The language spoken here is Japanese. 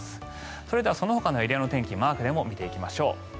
それではそのほかのエリアの天気マークでも見ていきましょう。